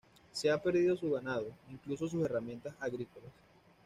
Se ha perdido su ganado, incluso sus herramientas agrícolas.